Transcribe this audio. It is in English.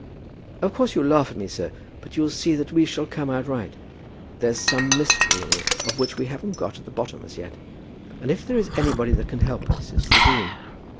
"Of course you'll laugh at me, sir; but you'll see that we shall come out right. There's some mystery in it of which we haven't got at the bottom as yet; and if there is anybody that can help us it's the dean."